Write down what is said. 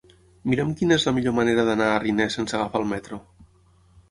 Mira'm quina és la millor manera d'anar a Riner sense agafar el metro.